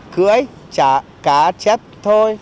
cưới cá chết thôi